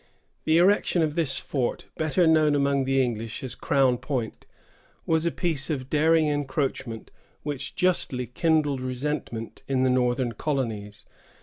The erection of this fort, better known among the English as Crown Point, was a piece of daring encroachment which justly kindled resentment in the northern colonies.